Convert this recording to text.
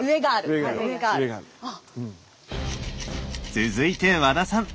続いて和田さん！